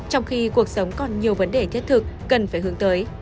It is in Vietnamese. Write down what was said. trong khi cuộc sống còn nhiều vấn đề thiết thực cần phải hướng tới